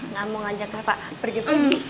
nggak mau ngajak reva berjumpa di